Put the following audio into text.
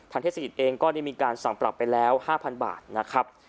เทศกิจเองก็ได้มีการสั่งปรับไปแล้ว๕๐๐บาทนะครับ